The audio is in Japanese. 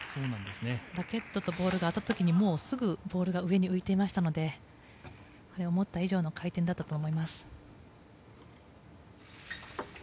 ラケットとボールが当たった時にすぐ、ボールが上に浮いていましたので思った以上の回転だったと思います。